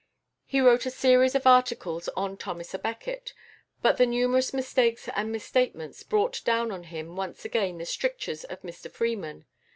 He wrote a series of articles on Thomas à Becket, but the numerous mistakes and misstatements brought down on him once again the strictures of Mr Freeman.